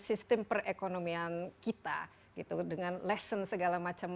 sistem perekonomian kita gitu dengan lesson segala macam